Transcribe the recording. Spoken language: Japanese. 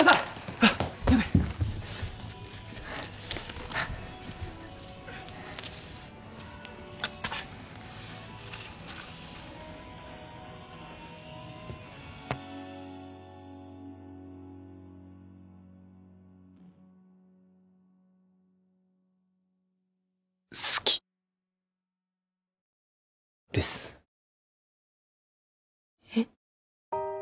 あっヤベッ好きですえっ？